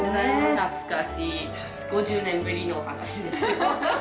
懐かしい、５０年ぶりのお話ですけど。